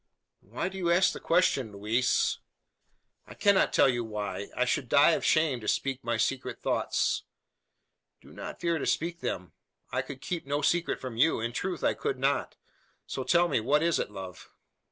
"Why do you ask the question, Louise?" "I cannot tell you why. I should die of shame to speak my secret thoughts." "Do not fear to speak them! I could keep no secret from you in truth I could not. So tell me what it is, love!"